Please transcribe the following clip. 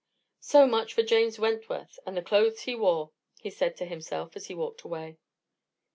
"So much for James Wentworth, and the clothes he wore," he said to himself as he walked away.